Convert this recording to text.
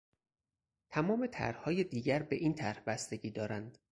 تمام طرحهای دیگر به این طرح بستگی دارند.